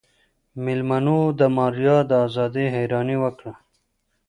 مېلمنو د ماريا د ازادۍ حيراني وکړه.